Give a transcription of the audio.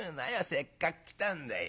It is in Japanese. せっかく来たんだい。